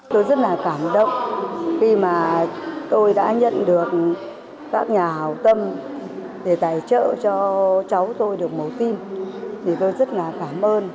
tôi rất là cảm động khi mà tôi đã nhận được các nhà hào tâm để tài trợ cho cháu tôi được mổ tim thì tôi rất là cảm ơn